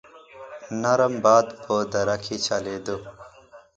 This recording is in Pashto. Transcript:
نرم باد په دره کې چلېده.